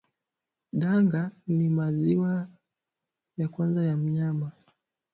Danga ni maziwa ya kwanza ya mnyama